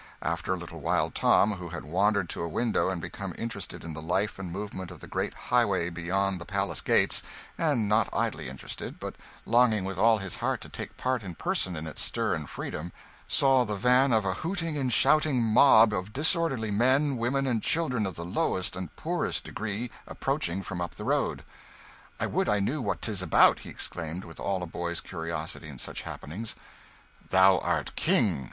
After a little while, Tom, who had wandered to a window and become interested in the life and movement of the great highway beyond the palace gates and not idly interested, but longing with all his heart to take part in person in its stir and freedom saw the van of a hooting and shouting mob of disorderly men, women, and children of the lowest and poorest degree approaching from up the road. "I would I knew what 'tis about!" he exclaimed, with all a boy's curiosity in such happenings. "Thou art the King!"